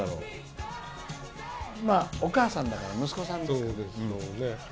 お母さんだから息子さんですよね。